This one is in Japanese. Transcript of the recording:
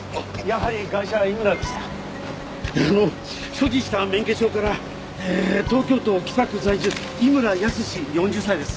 所持してた免許証から東京都北区在住井村泰４０歳です。